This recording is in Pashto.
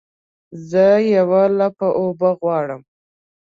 زه یوه لپه اوبه غواړمه